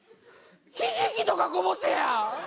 ひじきとかこぼせや！